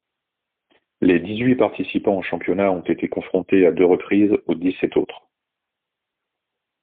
Les dix-huit participants au championnat ont été confrontés à deux reprises aux dix-sept autres.